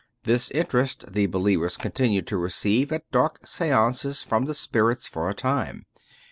This interest the believers continued to receive at dark seances from the spirits for a time.